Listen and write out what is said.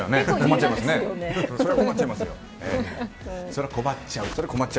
それは困っちゃうと。